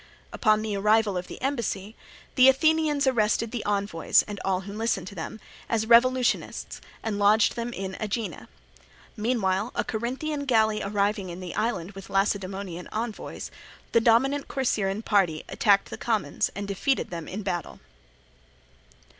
Upon the arrival of the embassy, the Athenians arrested the envoys and all who listened to them, as revolutionists, and lodged them in Aegina. Meanwhile a Corinthian galley arriving in the island with Lacedaemonian envoys, the dominant Corcyraean party attacked the commons and defeated them in battle.